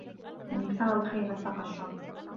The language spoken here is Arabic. مَنْ ابْتَغَى الْخَيْرَ اتَّقَى الشَّرَّ